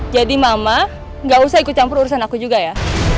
jadi mama gak usah ikut campur urusan aku juga ya